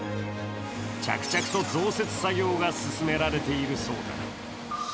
着々と増設作業が進められているそうだ。